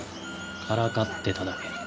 からかってただけ。